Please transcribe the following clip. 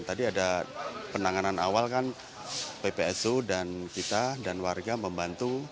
tadi ada penanganan awal kan ppsu dan kita dan warga membantu